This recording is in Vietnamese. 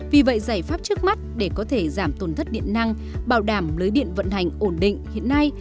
vì vậy giải pháp trước mắt để có thể giảm tổn thất điện năng bảo đảm lưới điện vận hành ổn định hiện nay